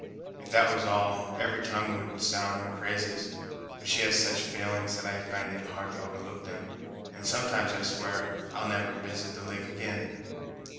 If that was all, every tongue would sound her praises; but she has such failings that I find it hard to overlook them, and sometimes I swear I'll never visit the lake again."